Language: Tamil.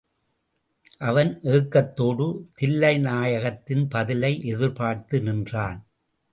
அவன் ஏக்கத்தோடு தில்லைநாயகத்தின் பதிலை எதிர்பார்த்து நின்றான்.